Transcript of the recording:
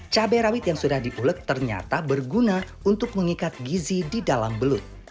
cabai rawit yang sudah dipuleg ternyata berguna untuk mengikat gizi di dalam belut